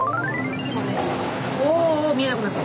おお見えなくなった。